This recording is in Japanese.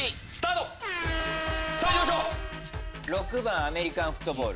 ピンポン６番アメリカンフットボール。